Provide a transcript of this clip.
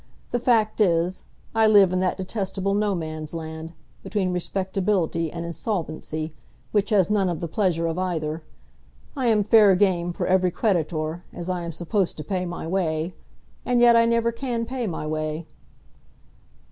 The fact is, I live in that detestable no man's land, between respectability and insolvency, which has none of the pleasure of either. I am fair game for every creditor, as I am supposed to pay my way, and yet I never can pay my way."